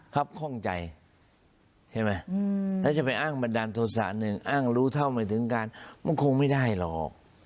ถ้าจะไปอ้างบันดาลโทษะหนึ่งอ้างรู้เท่าไหมถึงงานมันคงไม่ได้หรอก